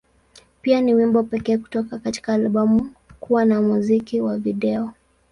Pia, ni wimbo pekee kutoka katika albamu kuwa na muziki wa video.